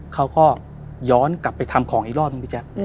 เขาก็ย้อนกลับไปทำของอีกรอบหนึ่ง